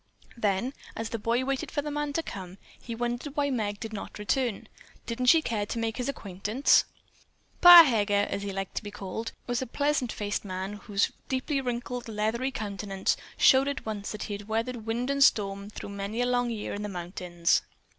Then, as the boy waited for the man to come up, he wondered why Meg did not return. Didn't she care to make his acquaintance? "Pa Heger," as he liked to be called, was a pleasant faced man whose deeply wrinkled, leathery countenance showed at once that he had weathered wind and storm through many a long year in the mountains.